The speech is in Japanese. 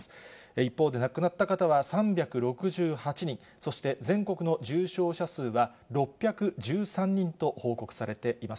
一方で、亡くなった方は３６８人、そして全国の重症者数は６１３人と報告されています。